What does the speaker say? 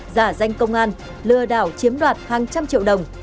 giả danh công an lừa đảo chiếm đoạt hàng trăm triệu đồng